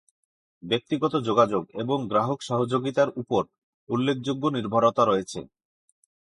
ব্যক্তিগত যোগাযোগ এবং গ্রাহক সহযোগিতার উপর উল্লেখযোগ্য নির্ভরতা রয়েছে।